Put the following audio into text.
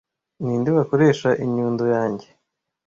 Ninde wakoresha inyundo yanjye